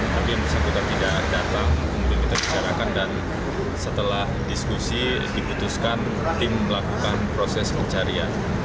tapi misalnya kita tidak datang kemudian kita dijarakan dan setelah diskusi dibutuhkan tim melakukan proses pencarian